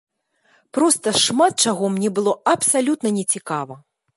Проста шмат чаго мне было абсалютна не цікава.